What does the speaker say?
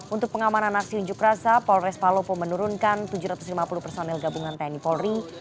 untuk pengamanan aksi unjuk rasa polres palopo menurunkan tujuh ratus lima puluh personil gabungan tni polri